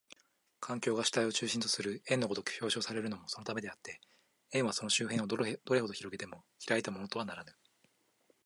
環境が主体を中心とする円の如く表象されるのもそのためであって、円はその周辺をどれほど拡げても開いたものとはならぬ。